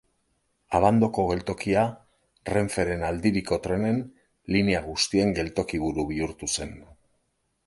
Abandoko geltokia Renferen aldiriko trenen linea guztien geltoki-buru bihurtu zen.